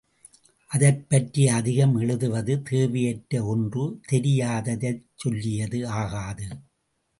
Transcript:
அதைப்பற்றி அதிகம் எழுதுவது தேவையற்ற ஒன்று தெரியாததைச் சொல்லியது ஆகாது.